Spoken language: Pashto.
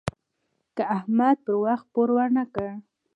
که احمد پر وخت پور ورنه کړ.